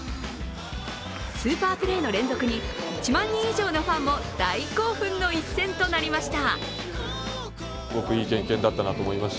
スーパープレーの連続に１万人以上のファンも大興奮の一戦となりました。